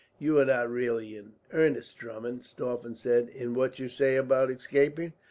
"You are not really in earnest, Drummond," Stauffen said, "in what you say about escaping?"